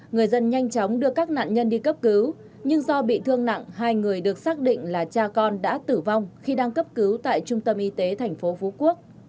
người dân nhanh chóng đưa các nạn nhân đi cấp cứu nhưng do bị thương nặng hai người được xác định là cha con đã tử vong khi đang cấp cứu tại trung tâm y tế tp phú quốc